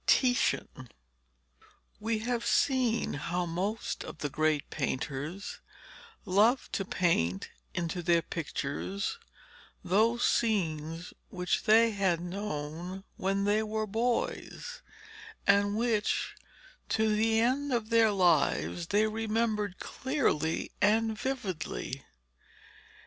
TITIAN We have seen how most of the great painters loved to paint into their pictures those scenes which they had known when they were boys, and which to the end of their lives they remembered clearly and vividly.